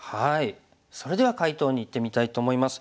それでは解答にいってみたいと思います。